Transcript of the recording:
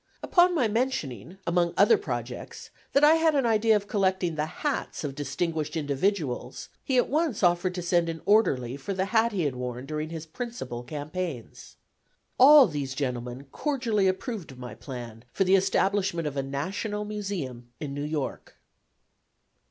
Upon my mentioning, among other projects, that I had an idea of collecting the hats of distinguished individuals, he at once offered to send an orderly for the hat he had worn during his principal campaigns. All these gentlemen cordially approved of my plan for the establishment of a National Museum in New York.